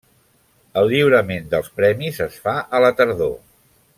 El lliurament dels premis es fa a la tardor.